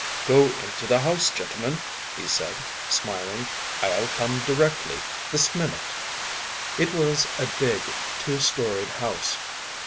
“Go into the house, gentlemen,” he said, smiling; “I’ll come directly, this minute.” It was a big two storeyed house.